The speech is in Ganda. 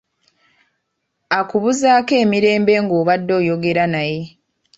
Akubuzaako emirembe ng'obadde oyogera naye